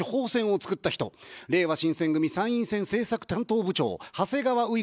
れいわ新選組参院選政策担当部長、長谷川う